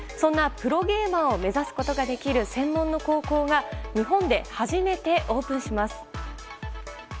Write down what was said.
プロゲーマーを目指すことができる専門の高校が日本で初めてオープンします。